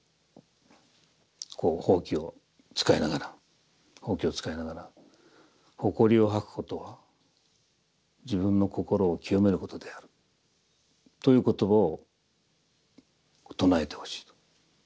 「こうほうきを使いながらほうきを使いながらほこりを掃くことは自分の心を清めることであるという言葉を唱えてほしい」と。